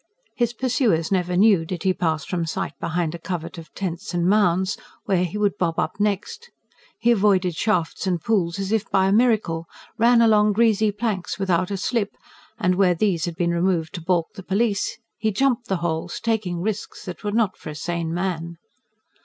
His pursuers never knew, did he pass from sight behind a covert of tents and mounds, where he would bob up next. He avoided shafts and pools as if by a miracle; ran along greasy planks without a slip; and, where these had been removed to balk the police, he jumped the holes, taking risks that were not for a sane man.